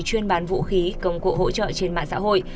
chuyên bán vũ khí công cụ hỗ trợ trên mạng xã hội